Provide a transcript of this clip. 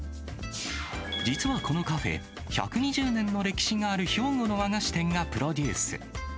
実はこのカフェ、１２０年の歴史がある兵庫の和菓子店がプロデュース。